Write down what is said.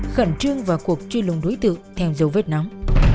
khẩn trương vào cuộc truy lùng đối tượng theo dấu vết nóng